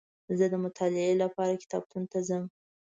زه دمطالعې لپاره کتابتون ته ځم